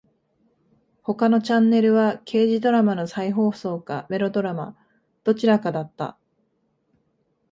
他のチャンネルは刑事ドラマの再放送かメロドラマ。どちらかだった。